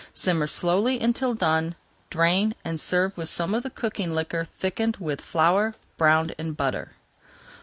Simmer slowly until done, drain, and serve with some of the cooking liquor thickened with flour, browned in butter.